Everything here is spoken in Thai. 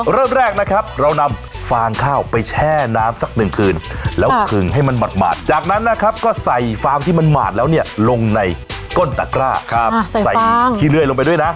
เริ่มแรกนะครับเรานำฟางข้าวไปแช่น้ำสักหนึ่งคืนแล้วขึงให้มันหมาดจากนั้นนะครับก็ใส่ฟางที่มันหมาดแล้วเนี่ยลงในก้นตะกร้าใส่ขี้เลื่อยลงไปด้วยนะ